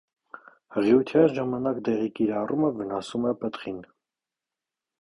Հղիության ժամանակ դեղի կիրառումը վնասում է պտղին։